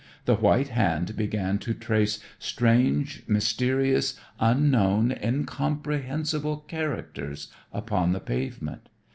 The white hand began to trace strange, mysterious, unknown, incomprehensible characters upon the pavement.